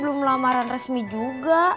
belum lamaran resmi juga